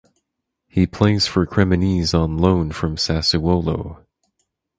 He plays for Cremonese on loan from Sassuolo.